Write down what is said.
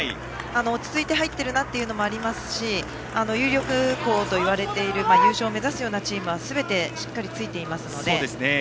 落ち着いて入っているというのもありますし有力校といわれている優勝を目指すようなチームはすべてしっかりついていますので。